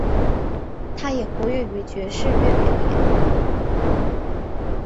他也活跃于爵士乐表演。